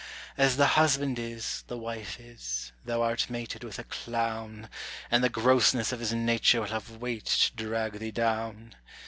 As the husband is, the wife is; thou art mated with a clown, And the grossness of his nature will have weight to drag thee down.